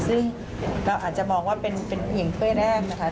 ซึ่งเราอาจจะมองว่าเป็นเพียงถ้วยแรกนะคะ